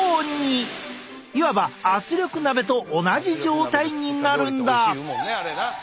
いわば圧力鍋と同じ状態になるんだ。